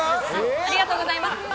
ありがとうございます。